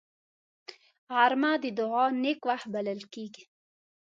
غرمه د دعاو نېک وخت بلل کېږي